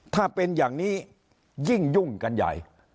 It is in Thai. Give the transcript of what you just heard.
ถ้าเป็นอย่างนี้ยิ่งยุ่งกันใหญ่